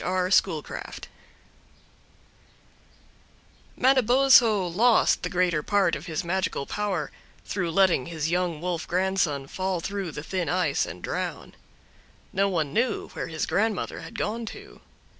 R. Schoolcraft Manabozho lost the greater part of his magical power through letting his young wolf grandson fall through the thin ice and drown. No one knew where his grandmother had gone to.